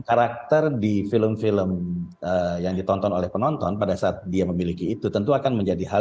karakter di film film yang ditonton oleh penonton pada saat dia memiliki itu tentu akan menjadi hal